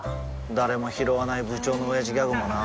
誰もひろわない部長のオヤジギャグもな